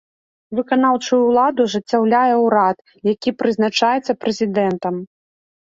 Выканаўчую ўладу ажыццяўляе ўрад, які прызначаецца прэзідэнтам.